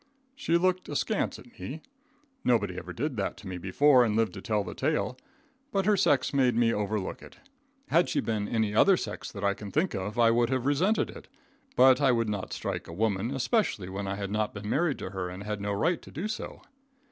She looked askance at me. Nobody ever did that to me before and lived to tell the tale. But her sex made me overlook it. Had she been any other sex that I can think of, I would have resented it. But I would not strike a woman, especially when I had not been married to her and had no right to do so.